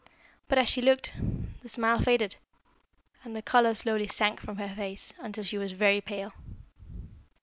But as she looked, the smile faded, and the colour slowly sank from her face, until she was very pale.